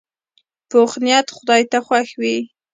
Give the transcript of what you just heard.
پوخ نیت خدای ته خوښ وي